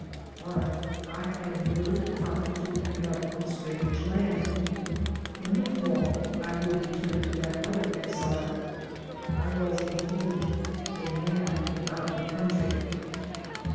But I had merely come to another strange land. In the fall I would return to that other exile. I was, indeed, a man without a coimtry.